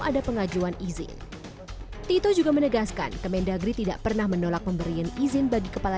ada pengajuan izin tito juga menegaskan kemendagri tidak pernah menolak pemberian izin bagi kepala